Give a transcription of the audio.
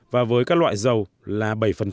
và với các loại dầu là bảy